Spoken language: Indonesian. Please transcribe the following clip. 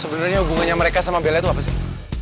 sebenernya hubungannya mereka sama bela itu apa sih